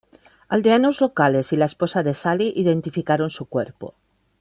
Aldeanos locales Y la esposa de Sali identificaron su cuerpo.